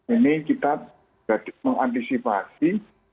ini kita mengantisipasi